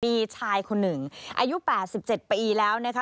มีชายคนหนึ่งอายุ๘๗ปีแล้วนะคะ